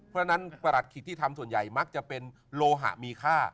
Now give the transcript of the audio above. เพราะฉะนั้นประหลัดขิตที่ทำส่วนใหญ่มักจะเป็นโลหะมีค่า